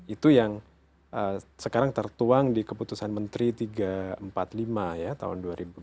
itu yang sekarang tertuang di keputusan menteri tiga ratus empat puluh lima ya tahun dua ribu dua puluh